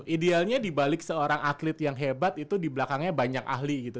idealnya dibalik seorang atlet yang hebat itu di belakangnya banyak ahli gitu